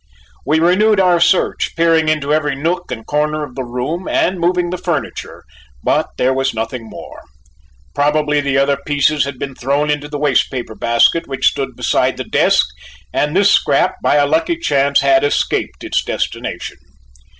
We renewed our search, peering into every nook and corner of the room and moving the furniture, but there was nothing more. Probably the other pieces had been thrown into the waste paper basket which stood beside the desk, and this scrap, by a lucky chance, had escaped its destination.